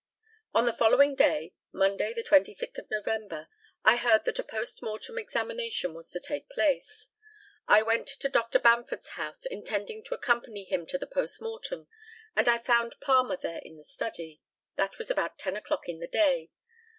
On the following day, Monday, the 26th of November, I heard that a post mortem examination was to take place. I went to Dr. Bamford's house, intending to accompany him to the post mortem, and I found Palmer there in the study. That was about ten o'clock in the day.